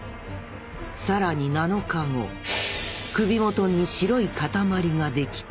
更に７日後首元に白い塊ができた。